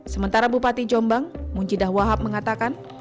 sementara bupati jombang munjidah wahab mengatakan